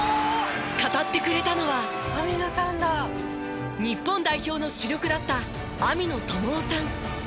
語ってくれたのは日本代表の主力だった網野友雄さん。